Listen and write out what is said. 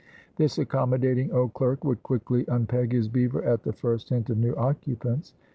This accommodating old clerk would quickly unpeg his beaver at the first hint of new occupants.